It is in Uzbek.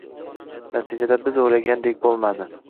Natija biz o‘ylagandek bo‘lmadi.